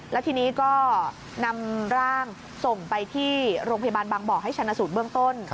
แล้วทีนี้ก็นำร่างส่งไปที่โรงพยาบาลบางบ่อให้ชนะสูตรเบื้องต้น